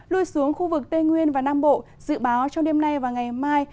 lui xuống khu vực tây nguyên và nam bộ dự báo trong đêm nay và ngày mai